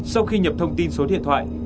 sau khi nhập thông tin số điện thoại